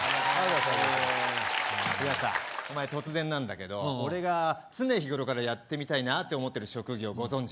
いやさお前突然なんだけどうんうん俺が常日頃からやってみたいなって思ってる職業ご存じ？